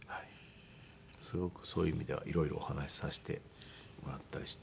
すごくそういう意味では色々お話しさせてもらったりして。